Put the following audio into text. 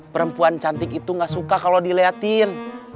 perempuan cantik itu gak suka kalau dileatin